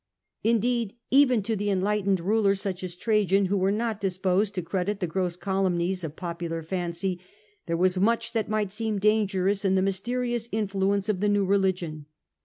Indeed, even to enlightened rulers such as Trajan, who were not disposed to credit the gross calumnies of popular fancy, there was much that might seem dangerous in the mysterious influence of the new re ligion.